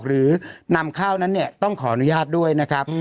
หรือนำข้าวนั้นเนี่ยต้องขออนุญาตด้วยนะครับ